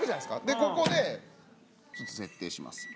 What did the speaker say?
でここで設定します。